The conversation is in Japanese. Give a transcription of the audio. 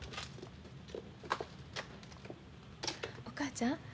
お母ちゃん。